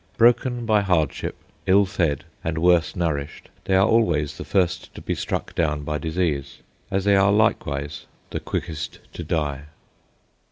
Broken by hardship, ill fed, and worse nourished, they are always the first to be struck down by disease, as they are likewise the quickest to die.